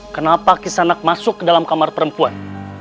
kenapa kisanak masuk ke dalam kamar perempuan